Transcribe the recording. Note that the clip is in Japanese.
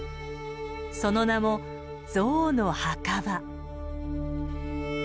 その名も象の墓場。